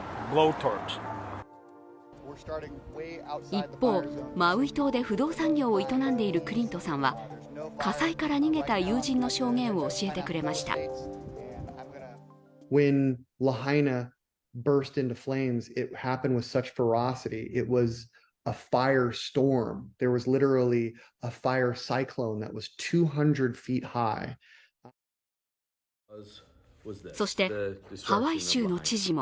一方、マウイ島で不動産業を営んでいるクリントさんは、火災から逃げた友人の証言を教えてくれましたそしてハワイ州の知事も